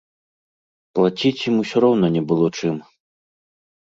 Плаціць ім усё роўна не было чым.